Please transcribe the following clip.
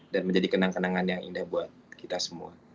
dan menjadi kenang kenangan yang indah buat kita semua